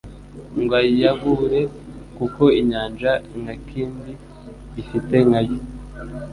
ngo ayabure kuko inyanja nka kindi ifite nkayo,